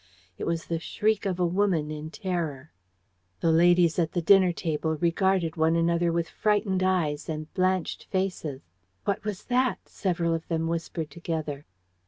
It was the shriek of a woman in terror. The ladies at the dinner table regarded one another with frightened eyes and blanched faces. "What was that?" several of them whispered together.